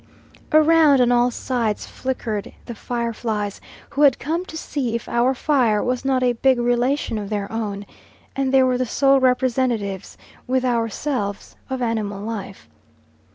Around, on all sides, flickered the fire flies, who had come to see if our fire was not a big relation of their own, and they were the sole representatives, with ourselves, of animal life.